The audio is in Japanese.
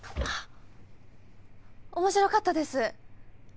あっ面白かったです！